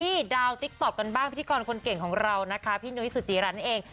ดาวติ๊กต๊อกกันบ้างพิธีกรคนเก่งของเรานะคะพี่นุ้ยสุจิรันนั่นเอง